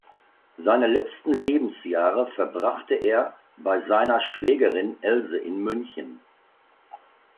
Seine letzten Lebensjahre verbrachte er bei seiner Schwägerin Else in München.